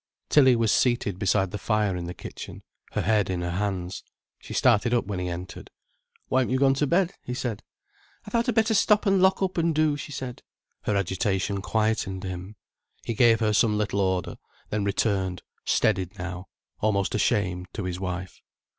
Tilly was seated beside the fire in the kitchen, her head in her hands. She started up when he entered. "Why haven't you gone to bed?" he said. "I thought I'd better stop an' lock up an' do," she said. Her agitation quietened him. He gave her some little order, then returned, steadied now, almost ashamed, to his wife.